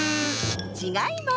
ちがいます！